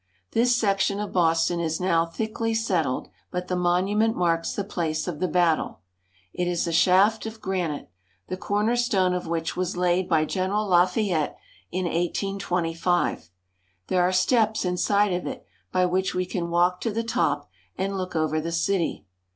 This section of Boston is now thickly settled, but the monument marks the place of the battle. It is a shaft of granite, the corner stone of which was laid by General Lafayette in 1825. There are steps inside of it by which we can walk to the top and look over the city.